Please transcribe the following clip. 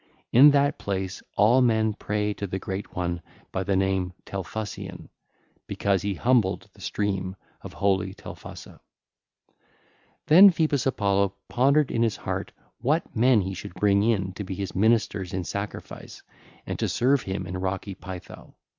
In that place all men pray to the great one by the name Telphusian, because he humbled the stream of holy Telphusa. (ll. 388 439) Then Phoebus Apollo pondered in his heart what men he should bring in to be his ministers in sacrifice and to serve him in rocky Pytho.